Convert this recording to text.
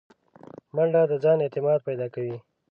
منډه د ځان اعتماد پیدا کوي